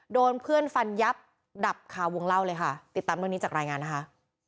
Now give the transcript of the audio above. โดนเพื่อนฟันยับดับคาวงเล่าเลยค่ะติดตามเรื่องนี้จากรายงานนะคะ